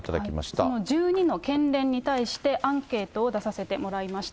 その１２の県連に対して、アンケートを出させてもらいました。